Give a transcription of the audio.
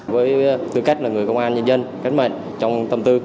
với tư cách là người công an nhân dân cánh mệnh trong tâm tư